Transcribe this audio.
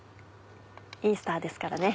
イースターですからね。